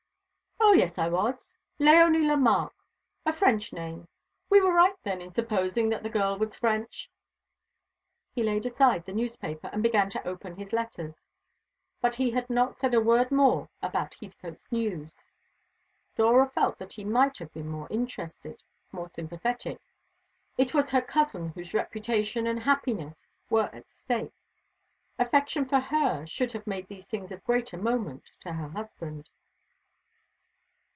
"O, yes, I was. Léonie Lemarque a French name. We were right, then, in supposing that the girl was French?" He laid aside the newspaper, and began to open his letters; but he said not a word more about Heathcote's news. Dora felt that he might have been more interested more sympathetic. It was her cousin whose reputation and happiness were at stake. Affection for her should have made these things of greater moment to her husband.